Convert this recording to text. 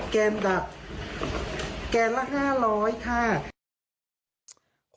แกนละ๕๐๐บาท